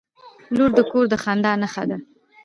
• لور د کور د خندا نښه ده.